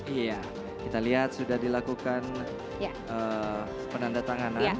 iya kita lihat sudah dilakukan penandatanganan